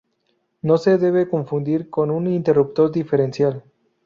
No se debe confundir con un interruptor diferencial.